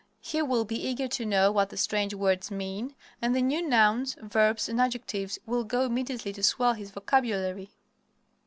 He will be eager to know what the strange words mean, and the new nouns, verbs, and adjectives will go immediately to swell his vocabulary.